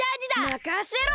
まかせろ！